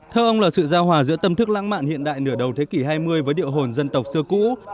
theo ông là sự giao hòa giữa tâm thức lãng mạn hiện đại nửa đầu thế kỷ hai mươi với điệu hồn dân tộc xưa cũ